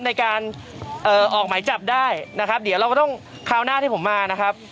ในการออกหมายจับได้นะครับเดี๋ยวเราก็ต้องคราวหน้าที่ผมมานะครับ